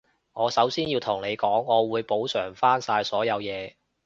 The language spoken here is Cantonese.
我首先要同你講，我會補償返晒所有嘢